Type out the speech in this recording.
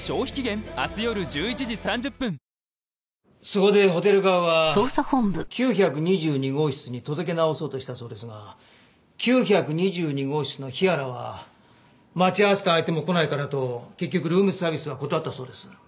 そこでホテル側は９２２号室に届け直そうとしたそうですが９２２号室の日原は待ち合わせた相手も来ないからと結局ルームサービスは断ったそうです。